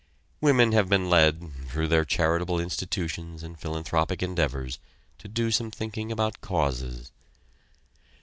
Women have been led, through their charitable institutions and philanthropic endeavors, to do some thinking about causes.